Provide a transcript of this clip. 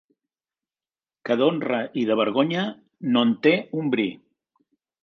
...que d'honra i de vergonya no en té un bri.